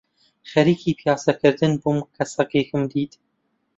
خەریکی پیاسە کردن بووم کە سەگێکم دیت